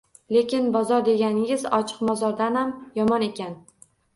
Lekin bozor deganingiz ochiq mozordanam yomon ekan